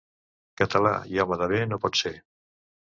Català i home de bé no pot ser.